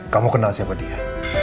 kamu kenal siapa dia